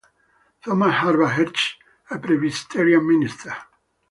Thomas Havard Hedges, a Presbyterian minister.